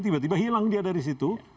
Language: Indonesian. tiba tiba hilang dia dari situ